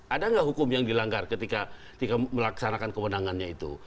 ada nggak hukum yang dilanggar ketika melaksanakan kewenangannya itu